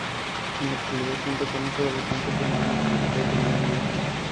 En la actualidad cuenta con un solo habitante permanente: Pedro Meier.